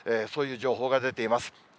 そういう情報が出ています。